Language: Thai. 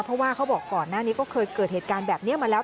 เพราะว่าเขาบอกก่อนหน้านี้ก็เคยเกิดเหตุการณ์แบบนี้มาแล้ว